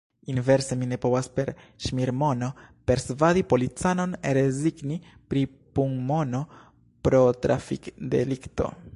Inverse mi ne povas per ŝmirmono persvadi policanon rezigni pri punmono pro trafikdelikto.